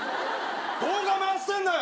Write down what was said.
動画回してんなよ！